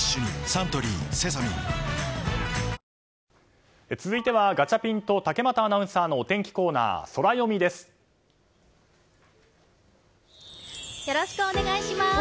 サントリー「セサミン」続いてはガチャピンと竹俣アナウンサーのお天気コーナー、ソラよみです。